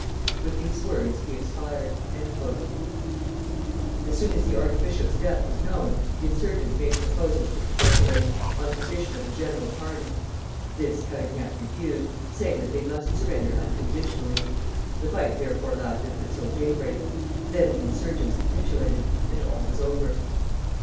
With these words he expired." As soon as the archbishop's death was known, the insurgents made proposals to capitulate, on condition of a general pardon. This Cavaignac refused, saying that they must surrender unconditionally. The fight therefore lasted until daybreak. Then the insurgents capitulated, and all was over.